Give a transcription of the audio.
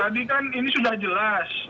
tadi kan ini sudah jelas